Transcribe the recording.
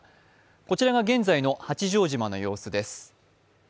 こちらが現在の八丈島の様子です。